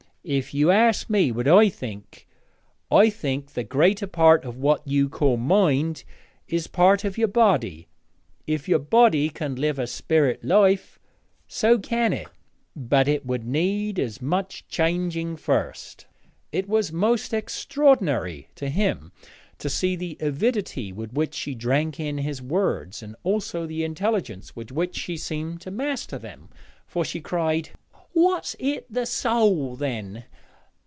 If you ask me what I think, I think the greater part of what you call mind is part of your body. If your body can live a spirit life, so can it; but it would need as much changing first.' It was most extraordinary to him to see the avidity with which she drank in his words, and also the intelligence with which she seemed to master them, for she cried 'What's i' the soäl then?